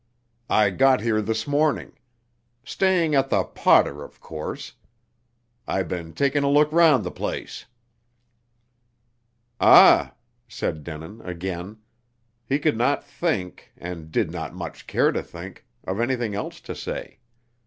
"I got here this morning. Staying at the Potter, of course. I been taking a look round the place." "Ah!" said Denin again. He could not think and did not much care to think of anything else to say.